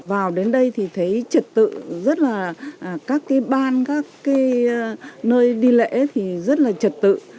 vào đến đây thì thấy trật tự rất là các cái ban các cái nơi đi lễ thì rất là trật tự